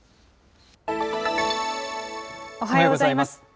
おはようございます。